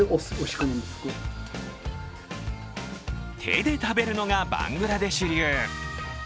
手で食べるのがバングラデシュ流。